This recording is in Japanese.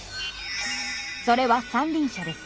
それは三輪車です。